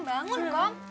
kom bangun kom